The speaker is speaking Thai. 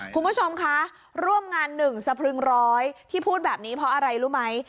คุณผู้ชมคะร่วมงานหนึ่งสะพรึงร้อยที่พูดแบบนี้เพราะอะไรรู้ไหม